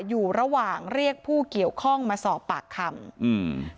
อยู่ระหว่างเรียกผู้เกี่ยวข้องมาสอบปากคำอืม